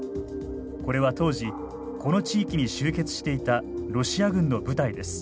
これは当時この地域に集結していたロシア軍の部隊です。